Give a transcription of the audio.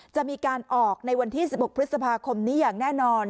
จะมีการออกในวันที่๑๖พฤษภาคมนี้อย่างแน่นอน